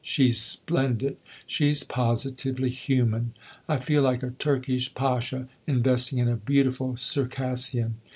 " She's splendid she's positively human ! I feel like a Turkish pasha investing in a beautiful Circassian.